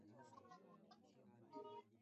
nime zaliwa jangwani hauwezi nitisha kwa nja